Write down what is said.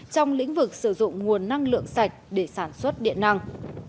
trong lĩnh vực sử dụng nguồn năng lượng sạch để sản xuất điện năng